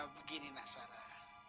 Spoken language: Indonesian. begini nak sarah